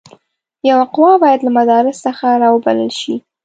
یوه قوه باید له مدراس څخه را وبلل شي.